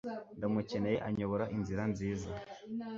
Ndamukeneye anyobora inzira nziza